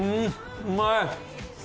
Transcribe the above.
うまい！